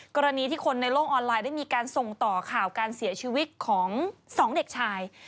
กรณีที่คนในโลกออนไลน์ได้มีการส่งต่อข่าวการเสียชีวิตของ๒เด็กชาย